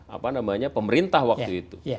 apa namanya pemerintah waktu itu